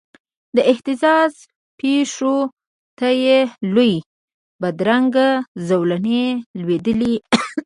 د اهتزاز پښو ته یې لویي بدرنګې زولنې لویدلې